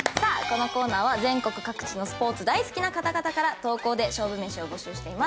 このコーナーは全国各地のスポーツ大好きな方々から投稿で勝負めしを募集しています。